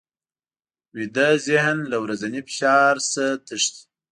ویده ذهن له ورځني فشار نه تښتي